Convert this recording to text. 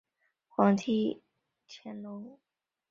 乾隆帝命金简将益晓等人送回本国。